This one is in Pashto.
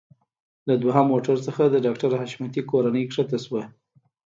له دويم موټر څخه د ډاکټر حشمتي کورنۍ ښکته شوه.